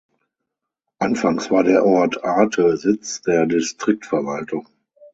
Anfangs war der Ort Ate Sitz der Distriktverwaltung.